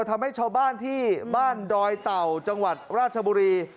ทำให้ชาวบ้านที่บ้านดอยเต่าจังหวัดราชบุรี